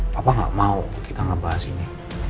bapak gak mau kita gak bahas ini